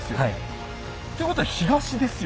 ということは東ですよ。